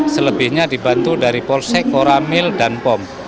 selebihnya dibantu dari polsek koramil dan pom